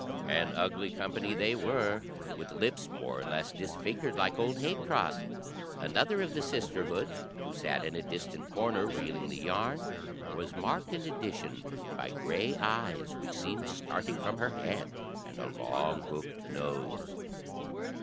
An ugly company they were, with lips more or less disfigured, like old Habetrot's. Another of the sisterhood, who sat in a distant corner reeling the yarn, was marked, in addition, by grey eyes, which seemed starting from her head, and a long hooked nose.